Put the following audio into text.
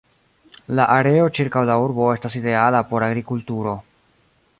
La areo ĉirkaŭ la urbo estas ideala por agrikulturo.